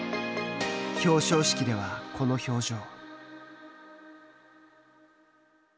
表彰式ではこの表情。